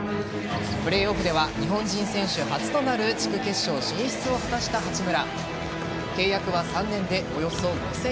プレーオフでは日本人選手初となる地区決勝進出を果たした八村。